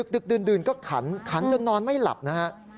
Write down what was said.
ดึกดื่นก็ขันขันจนนอนไม่หลับนะฮะ